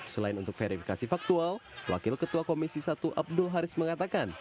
selain untuk verifikasi faktual wakil ketua komisi satu abdul haris mengatakan